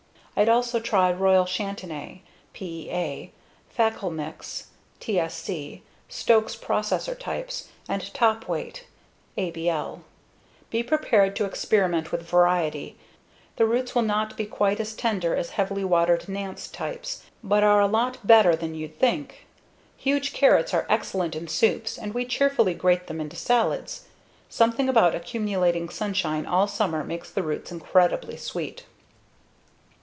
I'd also try Royal Chantenay (PEA), Fakkel Mix (TSC), Stokes "Processor" types, and Topweight (ABL). Be prepared to experiment with variety. The roots will not be quite as tender as heavily watered Nantes types but are a lot better than you'd think. Huge carrots are excellent in soups and we cheerfully grate them into salads. Something about accumulating sunshine all summer makes the roots incredibly sweet.